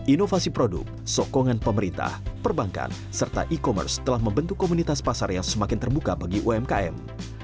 inovasi produk sokongan pemerintah perbankan serta e commerce telah membentuk komunitas pasar yang semakin terbuka bagi umkm